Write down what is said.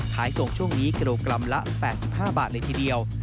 ขายส่งช่วงนี้กิโลกรัมละ๘๕บาทเลยทีเดียว